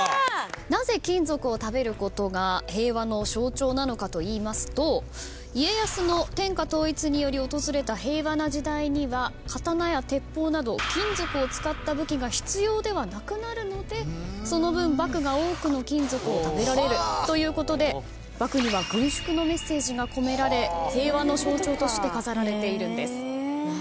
なぜ金属を食べることが平和の象徴なのかといいますと家康の天下統一により訪れた平和な時代には刀や鉄砲など金属を使った武器が必要ではなくなるのでその分。ということで獏には軍縮のメッセージが込められ平和の象徴として飾られているんです。